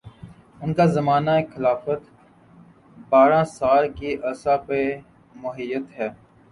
ان کا زمانہ خلافت بارہ سال کے عرصہ پر محیط ہے